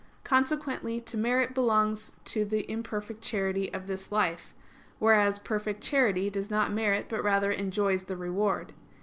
Consequently, to merit belongs to the imperfect charity of this life; whereas perfect charity does not merit but rather enjoys the reward.